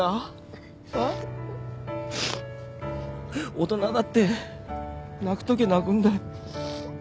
大人だって泣くときは泣くんだよ。